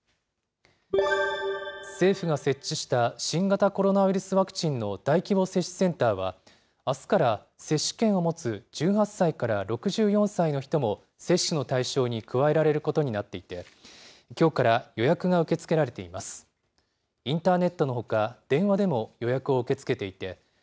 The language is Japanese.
政府が設置した新型コロナウイルスワクチンの大規模接種センターは、あすから接種券を持つ１８歳から６４歳の人も接種の対象に加えられることになっていて、きょうから予約が受け付けられています。